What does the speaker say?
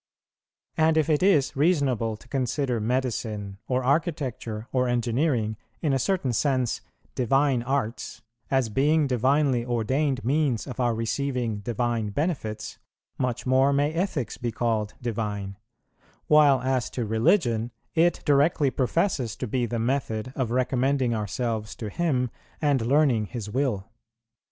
And if it is reasonable to consider medicine, or architecture, or engineering, in a certain sense, divine arts, as being divinely ordained means of our receiving divine benefits, much more may ethics be called divine; while as to religion, it directly professes to be the method of recommending ourselves to Him and learning His will.